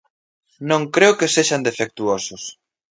Non creo que sexan defectuosos.